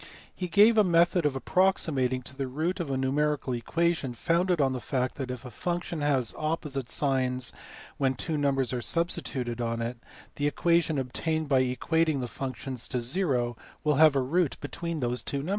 He gave a method of approximating to the root of a numerical equation, founded on the tact that, if a function have opposite signs when two numbers are substituted iu it, the equation obtained by equating the function to zero will have a root between these t\VO lUllllUerS.